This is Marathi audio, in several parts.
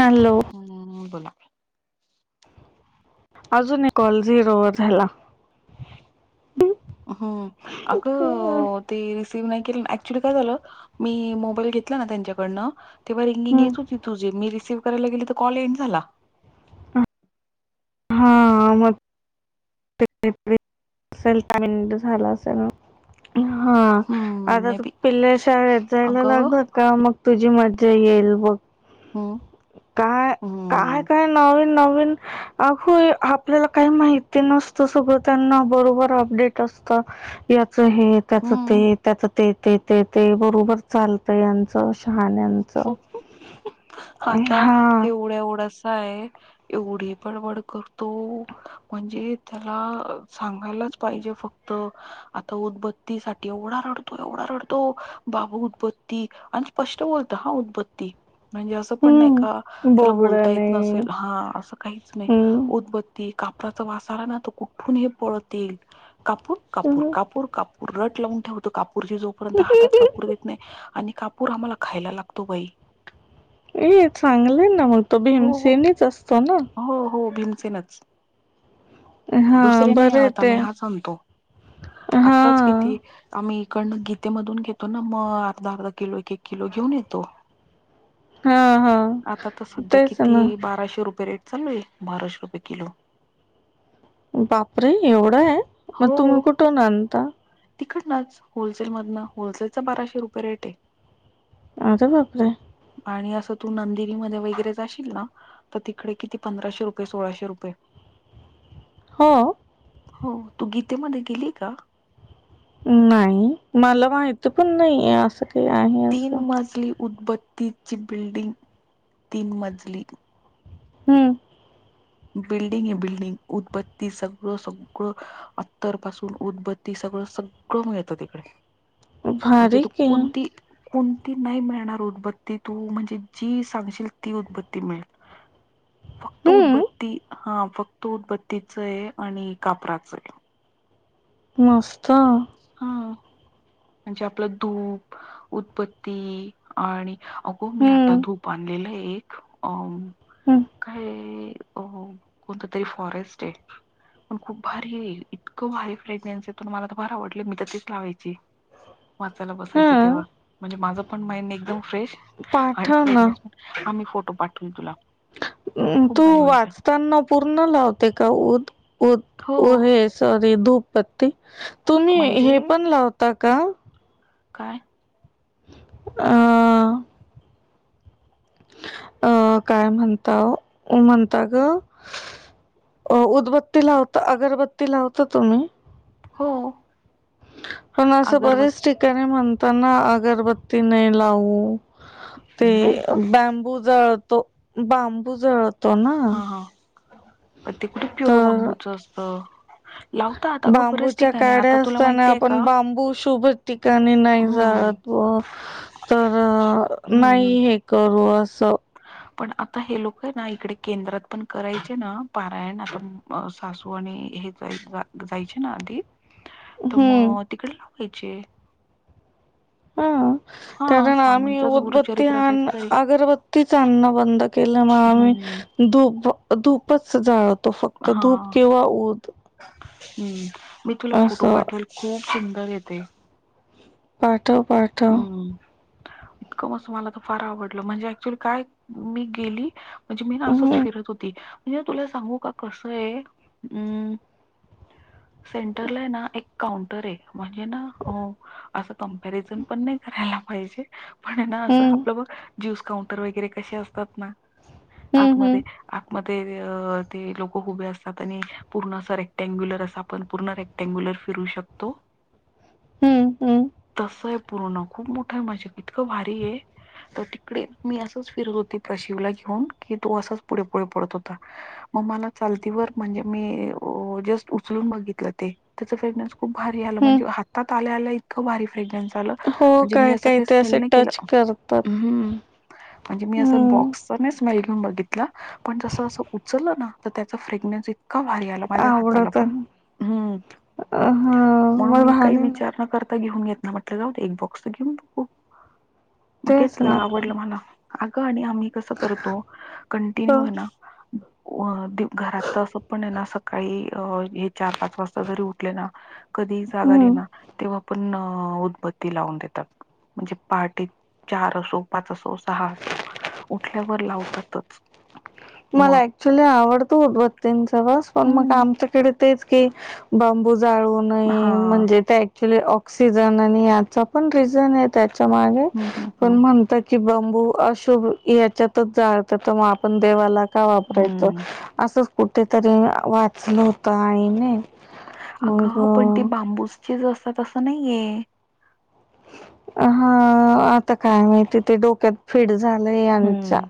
हॅलो ह बोला. अजून एक कॉल झिरो वर झाला. हम्म हम्म. अगं ते रिसीव नाही केलं, ऍक्च्युली काय झालं मी मोबाईल घेतला ना त्यांच्याकडनं तेव्हा रिंगिंग येत होती तुझी, मी रिसीव्ह करायला गेले तर कॉल एन्ड झाला. हा मग ते ते असेल [inaudible] झाला असेल मग हा हम्म आता मे तो बी पिल्ल्या शाळेत जायला अगं लागलं का मग तुझी मजा येईल बघ. हम्म काय, काय हम्म काय नवीन नवीन अग आपल्याला काही माहिती नसतं सगळं त्यांना बरोबर अपडेट असत. याच हे त्याच हम्म ते त्याच ते ते ते ते बरोबर चाल तं यांचं शहाण्यांचं. आता हा एवढा एवढासा आहे. एवढी बडबड करतो, म्हणजे त्याला सांगायलाच पाहिजे फ क्त आता उदबत्तीसाठी एवढा रडतो, एवढा रडतो बाबा उदबत्ती आणि स्पष्ट बोलतो हां उदबत्ती म्हणजे असं पण नाही का, हम्म त्याला बोलता येत बोबडने नसेल हा असं काहीच नाही हम्म. उदबत् ती, कापराचा वास आला ना तो कुठून ही पळत येईल कापूर कापूर कापूर कापूर रट लावून ठेवतो, कापूरची जोपर्यंत हातात कापूर देत नाही आणि कापूर आम्हाला खायला लाग तो बाई. ए चांगलं आहे ना मग तो हो हो भीमसेनीच असतो ना. हो हो भीमसेनच. हा दुसरे नाही बरे आणत ते आम्ही हाच आणतो, हा आत्ताच किती आम्ही इकडनं गीतेमधून घेतो ना मग, अर्धा -अर्धा किलो, एक -एक किलो घेऊन येतो. हा हा आता सध्या तेच किती ना बाराशे रुपये रेट चालू आहे, बाराशे रुपये किलो. बापरे एवढं आहे, मग हो तुम्ही कुठून आणता? तिकडनच होलसेलमधनं होलसेलचं बाराशे रुपये रेट आहे. अरे बापरे आणि असं तू नंदिनीमध्ये वगैरे जाशील ना तर तिकडे किती पंधराशे रुपये, सोळाशे रुपये. हो? हो तू गीतेमध्ये गेलीय का? नाही, मला माहिती पण नाही आहे असं काही आहे तीन असं मजली उदबत्तीची बिल्डिंग, तीन मजली हम्म बिल्डिंग आहे बिल्डिंग उदबत्ती सगळं सगळं अत्तर पासून, उदबत्ती सगळं सगळं मिळतं तिकडे. म्हणजे भारी तू की. कोणती कोणती नाही मिळणार उदबत्ती तू म्हणजे जी सांगशील ती उदबत्ती मिळेल. [inaudible] फक्त हम्म उदबत्ती, हा फक्त उदबत्तीच आहे आणि कापराच आहे. मस्त हा म्हणजे आपलं धूप, उदबत्ती आणि अगो मी आता हम्म धूप आणलेलं आहे एक अ हम्म. काय होत तरी फॉरेस्ट हे पण खूप भारी हे इतकं भारी फ्रेग्न्स येतोना मला तर फार आवडलं मी तर तीच लावायची वाचायला हा बसायची तेव्हा म्हणजे माझं पण माइंड एक एकदम फ्रेश आणि पाठव ना फ्रेशनेस पण हा मी फोटो पाठविल तुला, खूप तू भारी मिळतं वाचताना पूर्ण लावते का उद उद हो हेस सॉरी धूपपत्ती तुम्ही म्हणजे हे पण लावता का काय अ... अ काय म्हणता ओ म्हणता ग अ उदबत्ती लावता अगरबत्ती लावता तुम्ही? हो पण असं बरच अगरबत्ती ठिकाणी म्हणताना अगरबत्ती नाही लावू ते नाही ग बॅांबू जळतो बांबू जळ हा हा प ते कुठे प्युअर तर बांबूच असत. बांबूच्या काड्या असताना माहितीय आपण का बांबू शुभ ठिकाणी नाही हम्म जाळत. हो तर हम्म हम्म. नाही हे करू असं पण आता हे लोक आहे ना इकडे केंद्रात पण करायचे ना पारायण आता सासू आणि हे [unintelligible] ना आधी तर हं, मग तिकडे लावायचे. हा हा कारण आम्ही स्वामींचच उदबत्ती गुरुचरित्र आणि असायचं तरी अगरब तिच आणन बंद केलं मग हम्म आम्ही धुप धुपच जाळ तो फक्त हा धूप किंवा उ हम्म मी तुला फोटो असं. पाठवेल खूप सुंदर हे ते. पाठव पा हम्म इतकं मात्र मला तर फार आवडलं म्हणजे ऍक्च्युली काय मी गेली म्हणजे मी ना असंच हं, फिरत होती म्हणजे तुला सांगू का कस आहे अम् सेंटरला आहे ना एक काउंटर आहे म्हणजे ना अस कमपेरिझन पण नाही करायला पाहिजे, पण ना असं हं, आपलं बघ ज्यूस काउंटर वगैरे कसे असतात ना हं, हं, आतमध्ये आतमध्ये ते लोक उभे असतात आणि पूर्ण असं रेक्टँग्युलर असा पण पूर्ण रे टगुलर फिरू शकतो हं, हं, तस हे पूर्ण खूप मोठं माझे कितकं भारी आहे. तर तिकडे मी असंच फिरत होती प्रशिवला घेऊन की तो असाच पुढे पुढे पडत होता मग मला चालती वर म्हणजे मी जस्ट उचलून बघितल ते त्याच फ्रेग्रनस खूप भारी आलं हं. म्हणजे हातात आल्या आल्या इतकं भारी फ्रेग्रेन्स आलं हो, म्हणजे मी अस काही-काही काही ते स्मेल असे नाही टच केलं करतात. हम्म म्हणजे मी अस हं, बॉक्स स्मेल घेऊन बागीतल पण जस असं उचलना त्याच फेगनस इ तका भरीतआला माझ्या हाताला आवडत पण आहे. हम्म अ, हां, मग आम्ही काही झाले ना. विचार न करत घेऊन घेत ना म्हटलं जाऊ एक बॉक्स तर घेऊन बघू मग तेच घेतला ना. आवडलं मला. अगं आणि आम्ही कसं करतो कंटिन्यू आहे ना ह घरात तर असं पण आहे ना सकाळी हे चार पाच वाजता जरी उठले ना कधी ही जाग आली हं. ना तेव्हा पण उदब ते लावून देतात म्हणजे पहाटे चार असो पाच असो सहा असो उठल्यावर लावतातच मला मग ॲक्च्युली आवडत उदबत्तीचा वास पण मग हम्म आमच्याकडे तेच की बांबू जाळू हा नये म्हणजे त्या ऑक्सिजन आणि याचा पण रिझन आहे, त्याच्या मागे हम्म हम्म पण हम्म म्हणत कि बांबू अशुभ याच्यातच जाळत तर मग आपण देवाला का वापरायचं हम्म असंच कुठेतरी वाचलं होतं आईनी अगं पण ती बांबूसची असतात असं नाहीये. हा आता काय माहिती ते डोक्यात फिट झालं यांच्या हम्म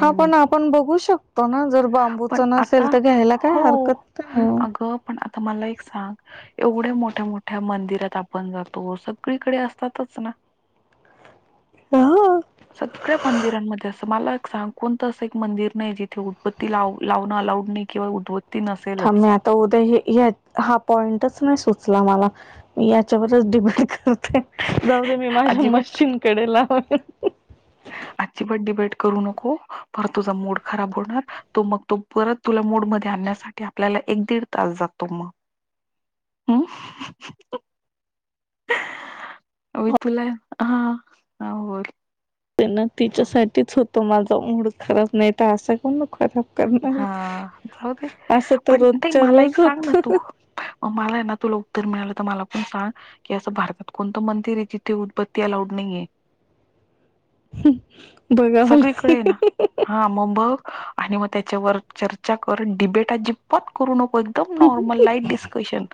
हा पण नाही आपण बघू शकतो ना जर बांबूच पण आता नसेल तर घ्यायला काय हो हरकत नाही. अगं पण आता मला एक सांग एवढ्या मोठ्या मोठ्या मंदिरात आपण जातो, सगळीकडे असतातच ना हो सगळ्या मंदिरांमध्ये असं मला एक सांग कोणतं असं एक मंदिर नाही जिथे उदाबत्ती लाव लावणं अलाउड नाही. किवा उदबत्ती थांब मी नसेलच आता उद्या हा पॉईंटच नाही सुचला मला मी याच्यावरच डिपेड करते जाऊ दे मी माझ्या अजिबात मशीनकडे लावते. अजिबात डिबेट करू नको, परत तुझा मूड खराब होणार तो मग तो परत तुला मूड मध्ये आणण्यासाठी आपल्याला एक दीड तास जातो मग ह हम मी तुला हा हो बोल ते ना तिच्यासाठीच होतो माझा मूड खराब नाही तर असा काण खराब हा करणार जाऊ दे असं तर पण ते रोजच्या मला एक रोज सांग ना होत तू मलाना तुला उत्तर मिळालं तर मला पण सांग. कि असं भारतात कोणत मंदिर आहे, जिथं उदाबत्ती अलाउड नाहीये. बघाव ला सगळीकडे आहे ना हा मग बघ आणि मग त्याच्यावर चर्चा कर, डिबेट अजिबात करू नको. एकदम नॉर्मल लाईट डिस्कशन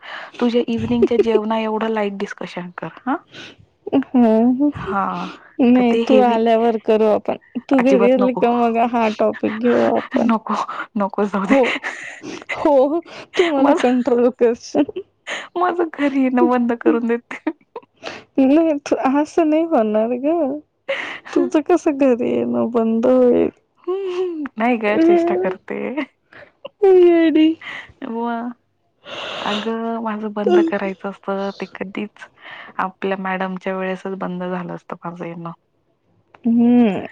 तुझ्या इव्हनिंगच्या जेवणा एवढं लाईट डिस्कशन कर. हा हा हा तर नाही ते तू हेवी आल्यावर करू आपण तू अजिबात घरी आली नको का मग हा टॉपिक घेऊ आपण नको नको जाऊ दे हो हो तु मला कंट्रोल करशील. माझं घरी येणं बंद करून देते. नाही, तू असं नाही होणार ग तुझं कस घरी ये न बंद होईल. हम्म. नाही का चेष्टा करते येडी बुवा अग माझं बंद करायचं असत ते कधीच आपल्या मॅडमच्या वेळेस बंद झालं असतं माझं येणं हम्म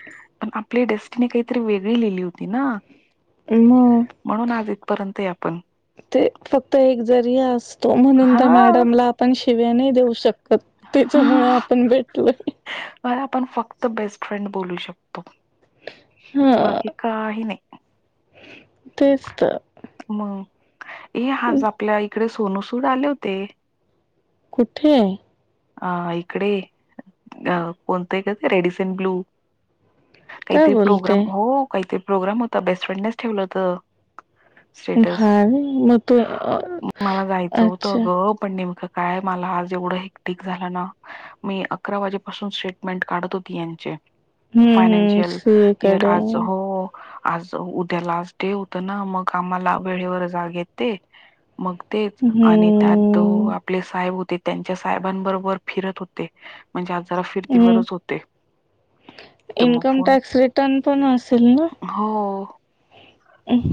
आपली डेस्टिनी काहीतरी वेगळी लिहिली होती ना म्हणून मग आज इथपर्यंत आहे आपण ते फक्त एक जरी अस तो म्हणून हा त्या मॅडमला आपण शिव्या नाही देऊ शकत त्याच्यामुळे आपण भेटलोय. अ आपण फक्त बेस्ट फ्रेंड बोलू शकतो हा बाकी काहि नाही. तेच तर. मग ए आज आपल्या इकडे सोनू सूड आले होते. कुठे? अ इकडे कोणतय ग ते रेडिसीन ब्लू. काय काहीतरी प्रोग्राम बोलते हो काहीतरी प्रोग्राम होता बेस्ट फ्रेंडनेच ठेवल होत. स्टेटस भारी मग तू मला जायच होत अच्छा अग पण नेमक काय मला आज एवढ हे ठीक झालना मी अकरा वाजेपासून स्टेटमेंट काढत होती यांचे हम्म हम्म फायनान्शियल सीए इयर कडे आज हो. आज उद्या लास्ट डे होता ना मग आम्हाला वेळेवर जाग येते. मग तेच आणि त्यात ते हम्म आपले साहेब होते त्यांच्या साहेबांबरोबर फिरत होते. म्हणजे आज जरा हम्म फिरतीवरच होते. तर मग इन्कम फोन टॅक्स रिटर्न पण असेल ना? हो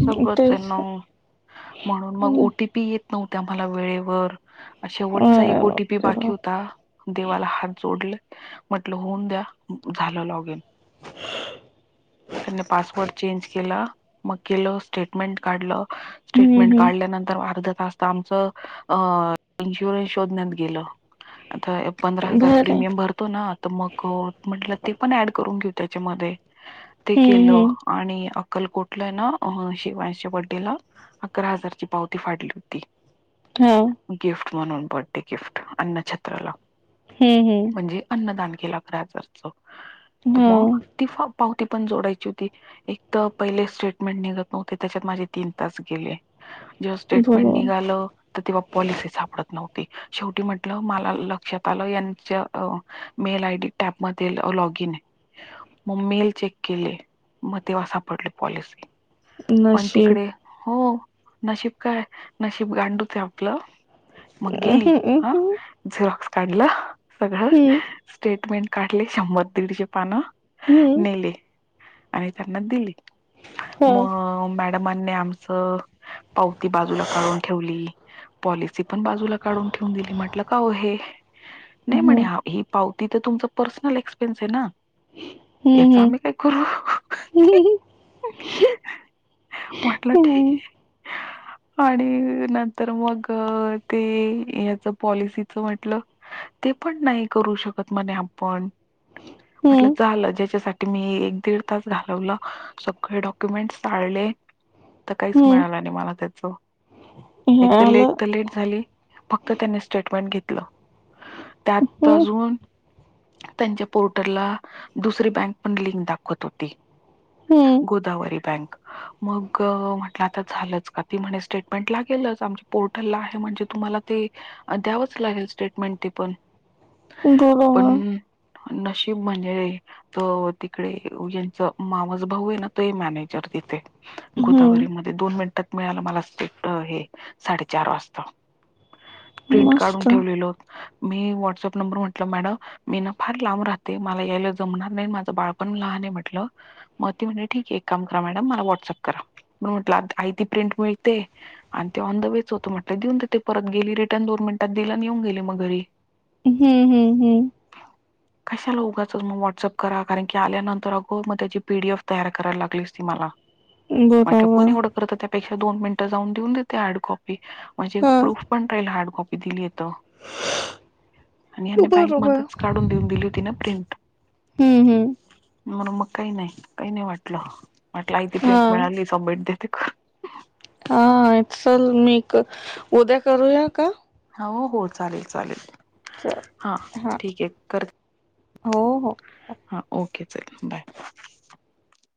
सगळंच आहे तेच हम्म पी येत नव्हत्या मला वेळेवर शेवटचा अरे एक ओटीपी बापरे बाकी बाप होता देवाला हात जोडले म्हटल होऊन द्या झाल लॉगीन. त्यांनी पासवर्ड चेंज केला. मग केल स्टेटमेंट काढल, हम्म स्टेटमेंट हम्म काढल्यानंतर अर्धा तास. आमच अ [unintelligible] शोधण्यात गेल [unintelligible] पंधरा हजार भारी प्रीमियम भरतो ना तर मग म्हटल ते पण ऍड करून घेऊ त्याच्यामध्ये. ते हम्म केल हम्म आणि अक्कलकोटला हाय ना शिवांशच्या बर्डेला अकरा हजारची पावती फाडली होती. हम्म गिफ्ट म्हणून बर्थडे गिफ्ट अन्न छत्रला. हम्म हम्म म्हणजे अन्नदान केल अकरा हजारच, तर मग हा ती पावती पण जोडायची होती. एक तर पहिले स्टेटमेंट निघत नव्हते त्याच्यात माझे तीन तास गेले. जेव्हा स्टेटमेंट बरोबर निघाल तेव्हा पॉलिसी सापडत नव्हती. शेवटी म्हटल मला लक्षात आल यांच्या मेल आयडी टॅपमध्ये लॉगीन आहे. मग मेल चेक केले मग तेव्हा सापडल्या पॉलिसी. पण नशीब तिकडे हो नशीब काय नशीब गांडूचय आपल. मग गेली हम्म हां हम्म झिरॉक्स काढल सगळ हम्म स्टेटमेंट काढले शंभर दीडचेे पान. हम्म नेले आणि त्यांना दिले हा मग मॅ मॅडमानी आमच पावती बाजूला काढून ठेवली पॉलिसी पण बाजूला काढून ठेवून दिली म्हटल काओ हे नाही म्हणे हम्म आम्ही पावती तर तुमच पर्सनल एक्सपेन्स आहे ना. याच हम्म आम्ही काय करू? हम्म म्हटल ठीक हम्म आहे आणि नंतर मग ते याच पॉलिसीच म्हटल. ते पण नाही करू शकत म्हणे आपण म्हटल हम्म झाल ज्याच्यासाठी मी एक दीड तास घालवला सगळे डॉक्युमेंटस चाळले. तर काहीच हम्म मिळाल नाही मला त्याच हे एक तर लेट आलं तर लेट. झाले फक्त त्यांनी स्टेटमेंट घेतल त्यात हम्म अजून त्यांच्या पोर्टरला दुसरी बँक पण लिंक दाखवत होती. हम्म गोदावरी बँक मग म्हटलं आता झालंच, का ती म्हणे स्टेटमेंट लागेलच आमची पोर्टलला हाय म्हणजे तुम्हाला ते, द्यावंच लागेल स्टेटमेंट ते पण पण बरोबर नशीब म्हणजे तर तिकडे यांच मावस भाऊ आहे ना, ते मॅनेजर तिथे गोदावरी हम्म मध्ये दोन मिनिटात मिळालं मला सेट हे साडेचार वास प्रिंट काढून मस्त ठेवलेलो, मी व्हाट्स अप नंबर म्हटल मॅडम मी ना फार लांब राहते, मला यायला जमणार नाही, माझं बाळपण लहान म्हंटल. मग ती म्हणे ठीकय, एक काम करा मॅडम मला व्हॉट्सअप करा, म्हण, म्हटलं आयती प्रिंट मिळते. आणि ते ऑन द वेच होत म्हटलं देऊन तिथे परत गेली रिटर्न दोन मिनिटात दिल आणि येऊन गेली मग घरी हम्म हम्म हम्म कशाला उघाचं मग व्हॉट्सअप करा, कारण की आल्यानंतर अगं मग त्याची पी डी एफ तयार करायला लागली असती मला. म्हटलं कोण बरोबर एवढं करत, त्यापेक्षा दोन मिनिटं जाऊन देऊन देते हार्ड कॉपी. म्हणजे हा प्रूफ पण पहिलं हार्ड कॉपी बिल येत. आणि ह्यांनी बँक बरोबर मध्येच काढून देऊन दिली होती ना प्रिंट. हम्म हम म्हणून मग काही नाही, काही नाही वाटलं, वाटलं आयती हा प्रिंट मिळाली सबमेट देते कर हा चल मी क उद्या करूया का? हा हो चालेल, चालेल च- हा ठीकयं कर, हो हो हा ओके चल बाय.